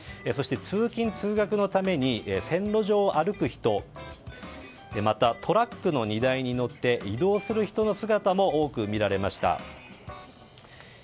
そして、通勤・通学のために線路上を歩く人またトラックの荷台に乗って移動する人の姿も多く見られました。